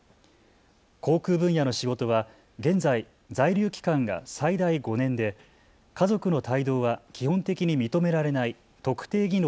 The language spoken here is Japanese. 航空分野の仕事は現在、在留期間が最大５年で家族の帯同は基本的に認められない特定技能